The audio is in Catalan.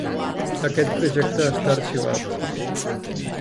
Aquest projecte està arxivat.